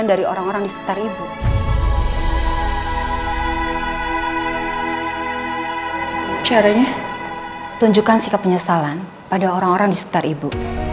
majukan sikap penyesalan pada orang orang di sekitar ibu